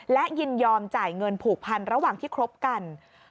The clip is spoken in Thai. และยินยอมจ่ายเงินผูกพันระหว่างที่คบกัน